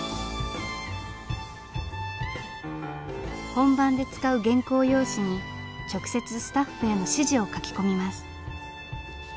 本番で使う原稿用紙に直接スタッフへの指示を書き込みます。